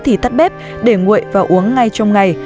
thì tắt bếp để nguội và uống ngay trong ngày